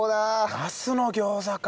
ナスの餃子か。